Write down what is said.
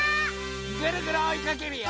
ぐるぐるおいかけるよ！